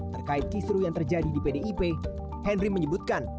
terkait kisru yang terjadi di pdip henry menyebutkan